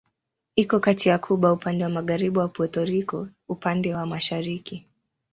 Iko kati ya Kuba upande wa magharibi na Puerto Rico upande wa mashariki.